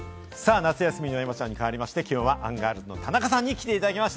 夏休みの山ちゃんに変わりまして、きょうはアンガールズの田中さんに来ていただきました。